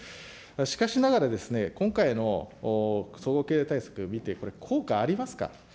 しかしながらですね、今回の総合経済対策見て、これ、効果ありますか。